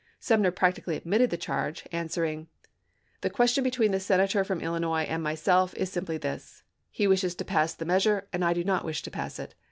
i865,p.no7. Sumner practically admitted the charge, answering, " The question between the Senator from Illinois and myself is simply this : he wishes to pass the measure, and I do not wish to pass it.